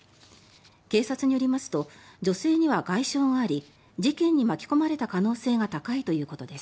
警察によりますと女性には外傷があり事件に巻き込まれた可能性が高いということです。